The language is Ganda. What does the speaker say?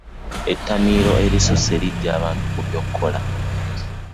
Ettamiiro erisusse lijja abantu ku byokulya.